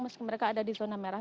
meski mereka ada di zona merah